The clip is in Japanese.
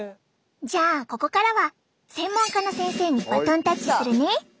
じゃあここからは専門家の先生にバトンタッチするね！